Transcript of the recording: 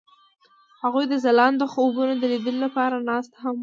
هغوی د ځلانده خوبونو د لیدلو لپاره ناست هم وو.